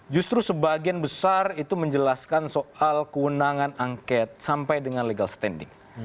justru sebagian besar itu menjelaskan soal kewenangan angket sampai dengan legal standing